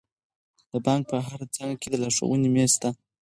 د بانک په هره څانګه کې د لارښوونې میز شته.